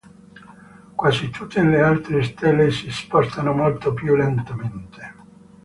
Quasi tutte le altre stelle si spostano molto più lentamente.